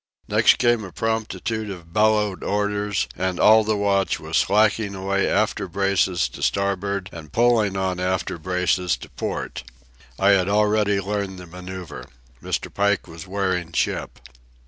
Next came a promptitude of bellowed orders, and all the watch was slacking away after braces to starboard and pulling on after braces to port. I had already learned the manoeuvre. Mr. Pike was wearing ship.